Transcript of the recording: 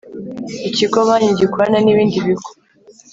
Ikigo banki gikorana nibindi bigo.